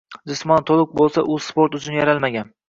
Jismonan to‘liq bo‘lsa, u sport uchun yaralmagan.